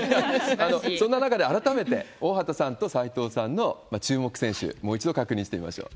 そんな中で、改めて大畑さんと斉藤さんの注目選手、もう一度確認してみましょう。